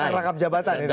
soal rakam jabatan ini